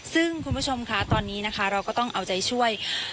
ซึ่งคุณผู้ชมค่ะตอนนี้นะคะเราก็ต้องเอาใจช่วย